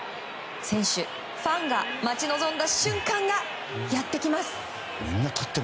選手、ファンが待ち望んだ瞬間がやってきます。